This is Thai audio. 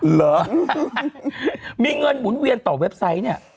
เหรอมีเงินหมุนเวียนต่อเว็บไซต์เนี่ย